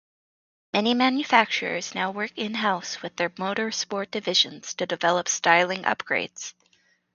Many manufacturers now work in-house with their motor sport divisions to develop styling upgrades.